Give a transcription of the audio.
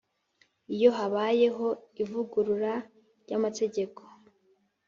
Iyo habayeho ivugurura ry amategeko